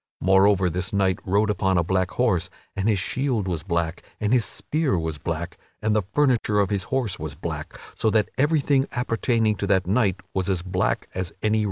Moreover, this knight rode upon a black horse and his shield was black and his spear was black and the furniture of his horse was black, so that everything appertaining to that knight was as black as any raven.